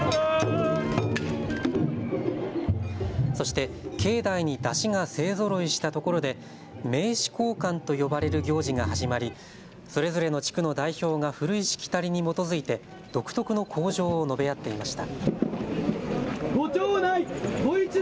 そして境内に山車が勢ぞろいしたところで名刺交換と呼ばれる行事が始まりそれぞれの地区の代表が古いしきたりに基づいて独特の口上を述べ合っていました。